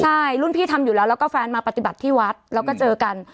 ใช่รุ่นพี่ทำอยู่แล้วแล้วก็แฟนมาปฏิบัติที่วัดแล้วก็เจอกัน